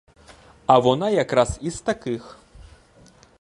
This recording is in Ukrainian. А вона якраз із таких.